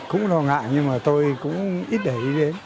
cũng lo ngại nhưng mà tôi cũng ít để ý đến